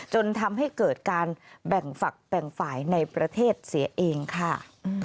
จนทำให้เกิดการแบ่งฝักแบ่งฝ่ายในประเทศเสียเองค่ะ